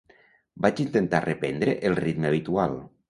Vaig intentar reprendre el ritme habitual.